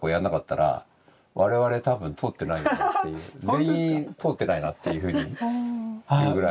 全員通ってないなっていうふうにいうぐらい。